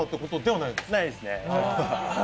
ないですね